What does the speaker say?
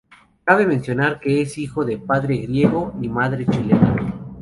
Cabe mencionar que es hijo de padre griego y madre chilena.